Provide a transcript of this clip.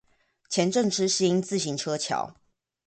前鎮之星自行車橋